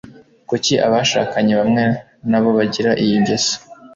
Kuki abashakanye bamwe nabo bagira iyi ngeso